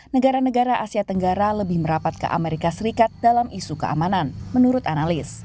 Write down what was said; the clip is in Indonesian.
negara negara asia tenggara lebih merapat ke amerika serikat dalam isu keamanan menurut analis